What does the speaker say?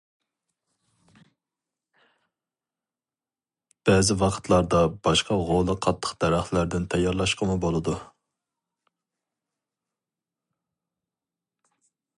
بەزى ۋاقىتلاردا باشقا غولى قاتتىق دەرەخلەردىن تەييارلاشقىمۇ بولىدۇ.